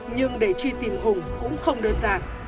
nhưng để truy tìm hùng cũng không đơn giản